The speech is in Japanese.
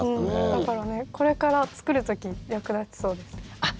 だからこれから作る時役立ちそうです。